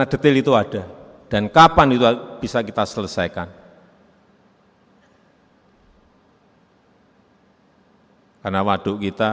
debit kota itu yang penting